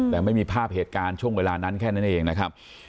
แต่ไม่มีภาพเหตุการณ์ช่วงเวลานั้นแค่นั้นเองนะครับ